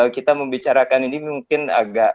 kita membicarakan ini mungkin agak